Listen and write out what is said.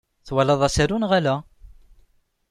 Twalaḍ asaru neɣ ala?